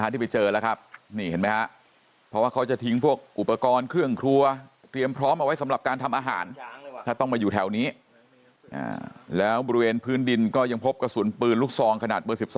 ต้องมาอยู่แถวนี้แล้วบริเวณพื้นดินก็ยังพบกระสุนปืนลูกซองขนาดเบอร์๑๒